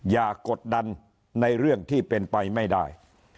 กดดันในเรื่องที่เป็นไปไม่ได้